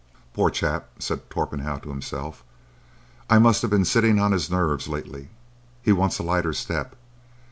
"Poor chap!" said Torpenhow to himself. "I must have been sitting on his nerves lately. He wants a lighter step."